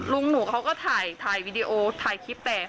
ลุงหนูเขาก็ถ่ายวีดีโอถ่ายคลิปแต่